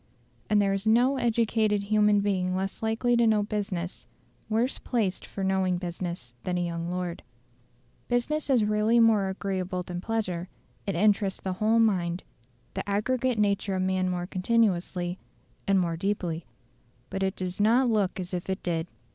And there is no educated human being less likely to know business, worse placed for knowing business than a young lord. Business is really more agreeable than pleasure; it interests the whole mind, the aggregate nature of man more continuously, and more deeply. But it does not look as if it did.